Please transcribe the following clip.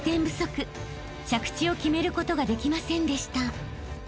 ［着地を決めることができませんでした］